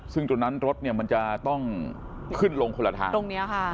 ซึ่งตรงนั้นรถเนี่ยมันจะต้องขึ้นลงคนละทางตรงนี้ค่ะ